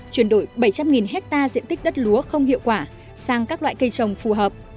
chuyển đổi bảy trăm linh hectare diện tích đất lúa không hiệu quả sang các loại cây trồng phù hợp